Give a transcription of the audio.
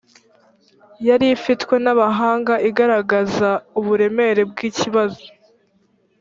yari ifitwe n’abahanga igaragaza uburemere bw ikibazo